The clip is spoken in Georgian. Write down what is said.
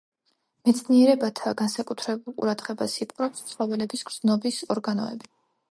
მეცნიერებთა განსაკუთრებულ ყურადღებას იპყრობს ცხოველების გრძნობის ორგანოები.